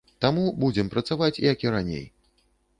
Таму будзем працаваць, як і раней.